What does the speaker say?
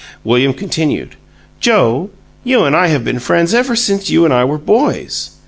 William continued: "Joe, you and I have been friends ever since you and I were boys."